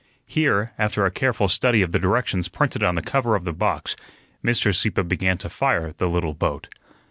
Here, after a careful study of the directions printed on the cover of the box, Mr. Sieppe began to fire the little boat.